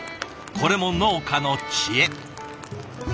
これも農家の知恵。